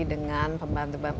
dengan pembantu presiden